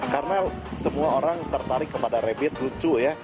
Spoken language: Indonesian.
karena semua orang tertarik kepada rabbit lucu ya